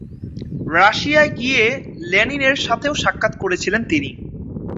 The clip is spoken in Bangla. রাশিয়ায় গিয়ে লেনিনের সাথেও সাক্ষাৎ করেছিলেন তিনি।